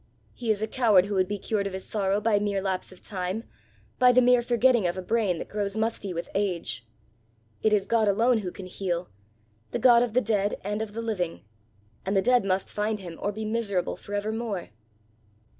He is a coward who would be cured of his sorrow by mere lapse of time, by the mere forgetting of a brain that grows musty with age. It is God alone who can heal the God of the dead and of the living! and the dead must find him, or be miserable for evermore!"